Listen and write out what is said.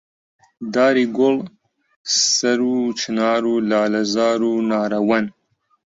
داری گوڵ، سەرو و چنار و لالەزار و نارەوەن